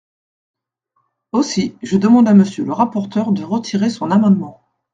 Aussi, je demande à Monsieur le rapporteur de retirer son amendement.